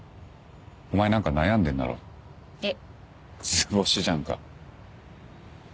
図星じゃんか。